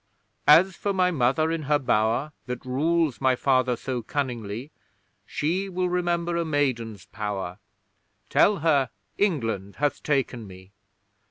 As for my Mother in her bower, That rules my Father so cunningly; She will remember a maiden's power Tell her England hath taken me!